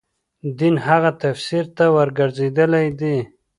دین هغه تفسیر ته ورګرځېدل دي.